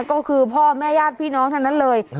ก็คือพ่อแม่ญาติพี่น้องทั้งนั้นเลย